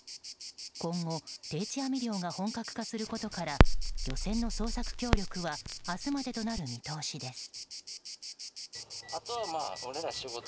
今後、定置網漁が本格化することから漁船の捜索協力は明日までとなる見通しです。